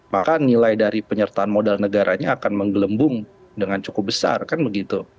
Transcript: maka nilai dari penyertaan modal negaranya akan menggelembung dengan cukup besar kan begitu